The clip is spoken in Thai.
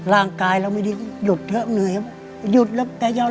รักพี่เป้ามากไหมรักค่ะสงสารเขาด้วย